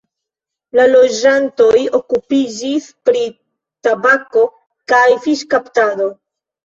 La loĝantoj okupiĝis pri tabako kaj fiŝkaptado.